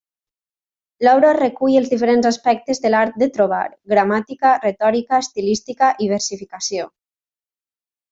L'obra recull els diferents aspectes de l'art de trobar: gramàtica, retòrica, estilística i versificació.